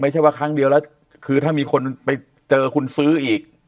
ไม่ใช่ว่าครั้งเดียวแล้วคือถ้ามีคนไปเจอคุณซื้ออีก